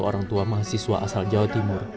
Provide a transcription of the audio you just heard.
orang tua mahasiswa asal jawa timur